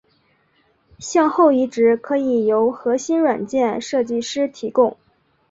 向后移植可以由核心软件设计师提供。